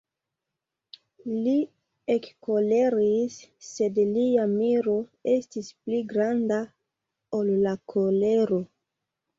Li ekkoleris, sed lia miro estis pli granda, ol la kolero.